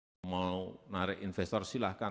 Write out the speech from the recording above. jadi mau narik investor silakan